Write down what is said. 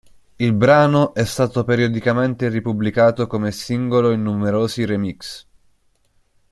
Il brano è stato periodicamente ripubblicato come singolo in numerosi remix.